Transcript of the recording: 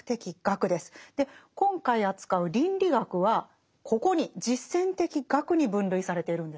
今回扱う倫理学はここに実践的学に分類されているんですね。